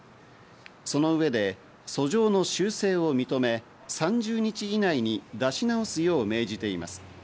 その上で訴状の修正を認め、３０日以内に出し直すよう命じています。